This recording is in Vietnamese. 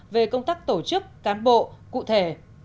về công tác tổ chức cán bộ cụ thể